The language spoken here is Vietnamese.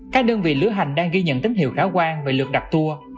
các đơn vị lứa hành đang ghi nhận tín hiệu khả quan về lượt đặt tour